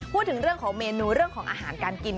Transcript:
พูดถึงเรื่องของเมนูเรื่องของอาหารการกิน